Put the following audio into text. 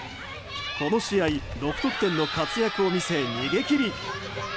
この試合、６得点の活躍を見せ逃げ切り。